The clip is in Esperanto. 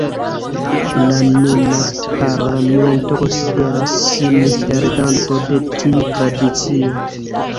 La nuna parlamento konsideras sin heredanto de tiu tradicio.